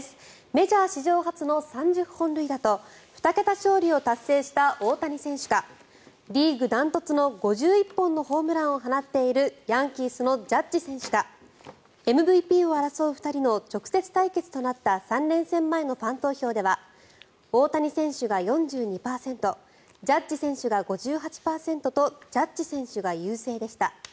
メジャー史上初の３０本塁打と２桁勝利を達成した大谷選手がリーグ断トツの５１本のホームランを放っているヤンキースのジャッジ選手かＭＶＰを争う２人の直接対決となった３連戦前のファン投票では大谷選手が４２％ジャッジ選手が５８％とジャッジ選手が優勢でした。